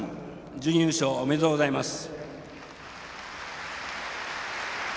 準優勝おめでとうございます。